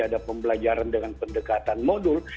ada pembelajaran dengan pendekatan modul